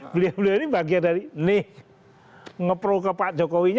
beliau beliau ini bagian dari nih nge pro ke pak jokowi nya